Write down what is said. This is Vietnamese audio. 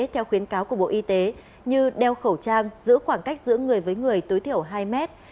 theo khuyến cáo của bộ y tế như đeo khẩu trang giữ khoảng cách giữa người với người tối thiểu hai mét